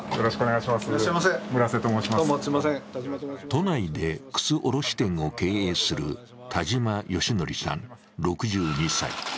都内で靴卸店を経営する田島良則さん６２歳。